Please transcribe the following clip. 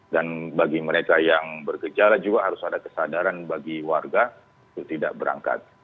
dan bagi mereka yang bergejala juga harus ada kesadaran bagi warga itu tidak berangkat